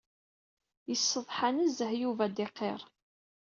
Yesseḍḥa nezzeh Yuba ad d-iqir.